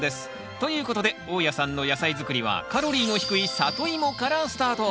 ということで大家さんの野菜作りはカロリーの低いサトイモからスタート。